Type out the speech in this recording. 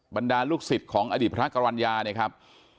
บรรดาลูกศิษย์ของอดีตพระกรรณญาเนี่ยครับ